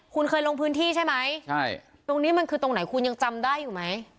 คุณเคยลงพื้นที่ใช่ไหมใช่ตรงนี้มันคือตรงไหนคุณยังจำได้อยู่ไหม